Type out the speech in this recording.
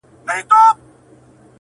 بنگړي نه غواړم.